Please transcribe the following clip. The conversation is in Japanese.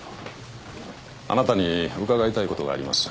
あなたに伺いたいことがあります